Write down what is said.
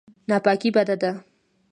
ناپاکي بده ده.